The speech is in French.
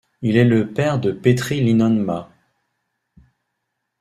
Il est le père de Petteri Linnonmaa.